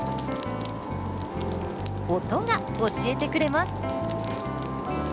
音が教えてくれます。